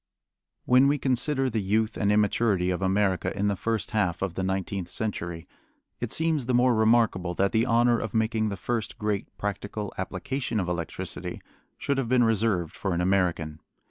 When we consider the youth and immaturity of America in the first half of the nineteenth century, it seems the more remarkable that the honor of making the first great practical application of electricity should have been reserved for an American.